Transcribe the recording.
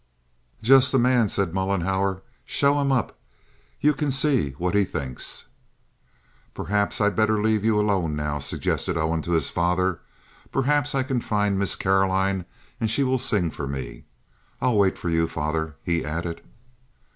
"Just the man," said Mollenhauer. "Show him up. You can see what he thinks." "Perhaps I had better leave you alone now," suggested Owen to his father. "Perhaps I can find Miss Caroline, and she will sing for me. I'll wait for you, father," he added.